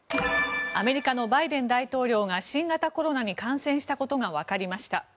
アメリカのバイデン大統領が新型コロナに感染したことがわかりました。